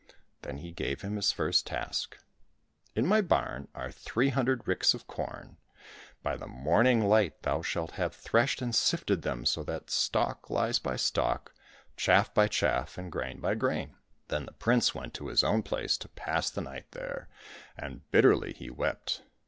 Then he gave him his first task : "In my barn are three hundred ricks of corn ; by the morning light thou shalt have threshed and sifted them so that stalk lies by stalk, chaff by chaff, and grain by grain." Then the prince went to his own place to pass the night there, and bitterly he wept.